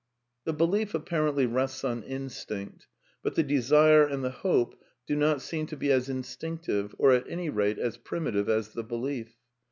The belief apparently rests on instinct. But the desire and the hope do not seem to be as instinctive, or at any rate as primitive as the belief.